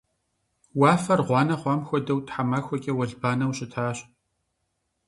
Уафэр гъуанэ хъуам хуэдэу тхьэмахуэкӏэ уэлбанэу щытащ.